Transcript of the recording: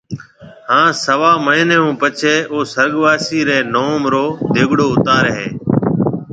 ھان سوا مھيَََنيَ ھون پڇيَ او سُرگواسي رَي نوم رو ديگڙيو اُتارَي ھيََََ